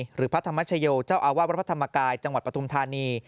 หรือพระธรรมชโยเจ้าอาวาสวัดพระธรรมกายจังหวัดปฐุมธานี